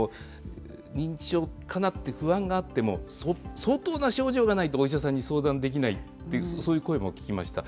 認知症かなって不安があっても、相当な症状がないと、お医者さんに相談できないっていう、そういう声も聞きました。